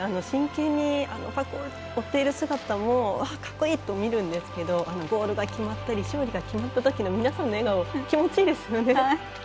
真剣にパックを追っている姿もかっこいい！と見るんですけどゴールが決まったり勝負が決まったときの皆さんの笑顔気持ちいいですよね。